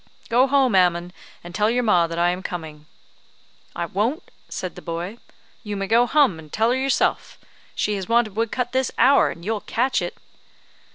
Go home, Ammon, and tell your ma that I am coming." "I won't," said the boy; "you may go hum and tell her yourself. She has wanted wood cut this hour, and you'll catch it!"